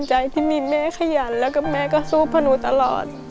ใจที่มีแม่ขยันแล้วก็แม่ก็สู้เพราะหนูตลอด